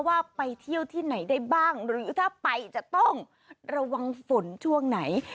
ว่าไปเที่ยวที่ไหนได้บ้างหรือถ้าไปจะต้องระวังฝนช่วงไหน